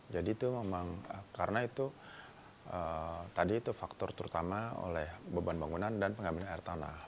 jadi itu memang karena itu tadi itu faktor terutama oleh beban bangunan dan pengambilan air tanah